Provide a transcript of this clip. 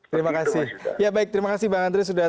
terima kasih terima kasih bang andri sudah